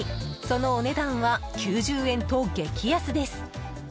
そのお値段は９０円と激安です！